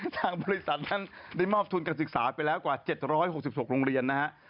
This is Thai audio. ทางบริษัทนั้นได้มอบทุนการศึกษาไปแล้วกว่า๗๖๖โรงเรียนนะฮะ